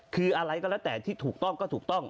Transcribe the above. คืออะไรก็แล้วแต่ที่ถูกต้องก็ถูกต้อง